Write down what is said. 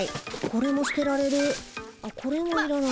これも捨てられるな。